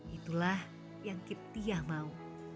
itulah yang giptea mau